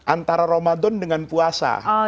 antara ramadan dengan puasa